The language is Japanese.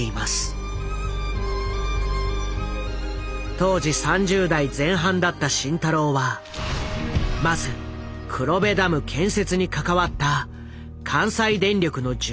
当時３０代前半だった慎太郎はまず黒部ダム建設に関わった関西電力の重役にじか談判。